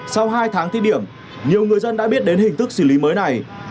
sau hai tháng thi điểm nhiều người dân đã biết đến hình thức xử lý mới này